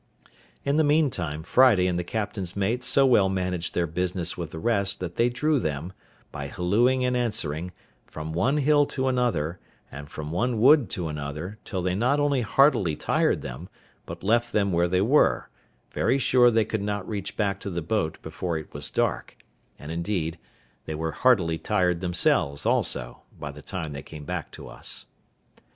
In the meantime, Friday and the captain's mate so well managed their business with the rest that they drew them, by hallooing and answering, from one hill to another, and from one wood to another, till they not only heartily tired them, but left them where they were, very sure they could not reach back to the boat before it was dark; and, indeed, they were heartily tired themselves also, by the time they came back to us.